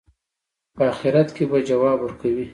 په آخرت کې به ځواب ورکوي.